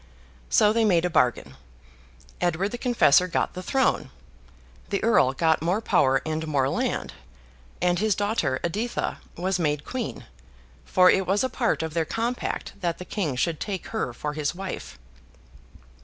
So they made a bargain. Edward the Confessor got the Throne. The Earl got more power and more land, and his daughter Editha was made queen; for it was a part of their compact that the King should take her for his wife.